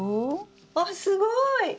あすごい！